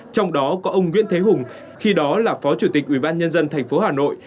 trong đó có ông nguyễn thế hùng khi đó là phó chủ tịch ủy ban nhân dân thành phố hà nội